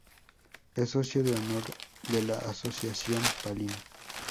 Es socio de honor de la Asociación Palin.